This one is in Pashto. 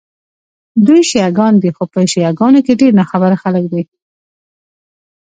دوی شیعه ګان دي، خو په شیعه ګانو کې ډېر ناخبره خلک دي.